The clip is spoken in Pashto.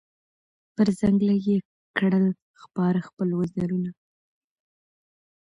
پر ځنګله یې کړل خپاره خپل وزرونه